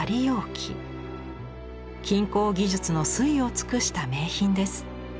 金工技術の粋を尽くした名品です。